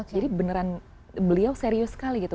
jadi beneran beliau serius sekali gitu